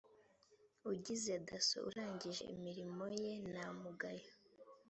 ugize dasso urangije imirimo ye nta mugayo